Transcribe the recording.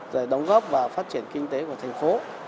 rồi đóng góp vào phát triển kinh tế của tp